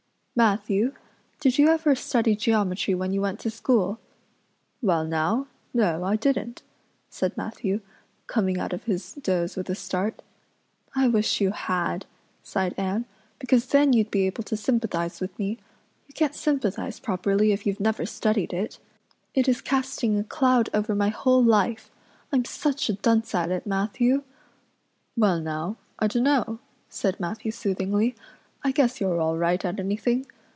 "Matthew, did you ever study geometry when you went to school?" "Well now, no, I didn't," said Matthew, coming out of his doze with a start. "I wish you had," sighed Anne, "because then you'd be able to sympathize with me. You can't sympathize properly if you've never studied it. It is casting a cloud over my whole life. I'm such a dunce at it, Matthew." "Well now, I dunno," said Matthew soothingly. "I guess you're all right at anything.